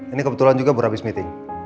ini kebetulan juga berhabis meeting